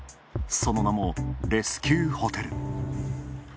その名もレスキューホテル。